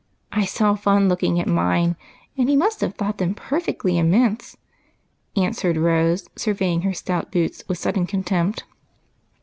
I saw Fun looking at mine, and he must have thought them perfectly immense," answered Rose, surveying her stout boots with sudden contempt.